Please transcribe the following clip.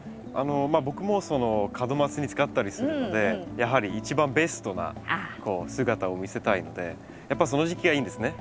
僕も門松に使ったりするのでやはり一番ベストな姿を見せたいのでやっぱその時期がいいんですね。